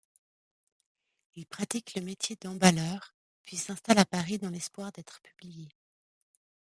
Il pratique le métier d'emballeur, puis s'installe à Paris dans l'espoir d'être publié.